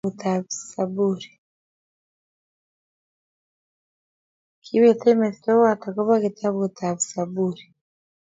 Kibetech mestowot akobo kitabut ab Zaburi